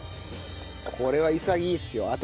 これは潔いですよ。